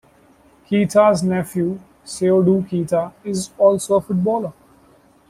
Keita's nephew, Seydou Keita, is also a footballer.